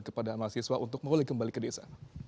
kepada mahasiswa untuk mulai kembali ke desa